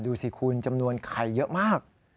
ดูสิคุณจำนวนไข่เยอะมาก